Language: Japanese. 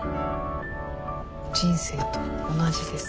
人生と同じです。